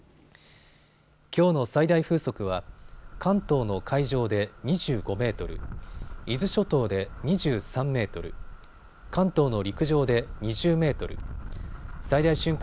きょうの最大風速は関東の海上で２５メートル、伊豆諸島で２３メートル、関東の陸上で２０メートル、最大瞬間